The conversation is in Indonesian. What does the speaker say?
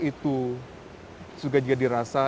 itu juga dirasa